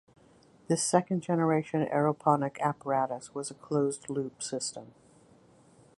This second generation aeroponic apparatus was a closed-loop system.